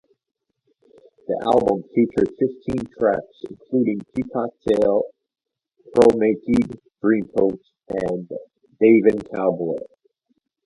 The album featured fifteen tracks, including "Peacock Tail", "Chromakey Dreamcoat," and "Dayvan Cowboy".